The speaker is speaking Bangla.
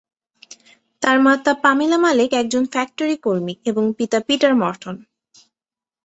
তার মাতা পামেলা মালেক একজন ফ্যাক্টরি কর্মী এবং পিতা পিটার মর্টন।